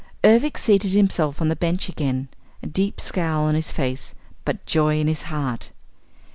Ervic seated himself on the bench again, a deep scowl on his face but joy in his heart.